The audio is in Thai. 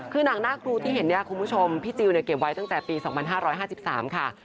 คือหนังหน้าครูที่เห็นเนี่ยคุณผู้ชมพี่จิลเนี่ยเก็บไว้ตั้งแต่ปี๒๕๕๓ค่ะ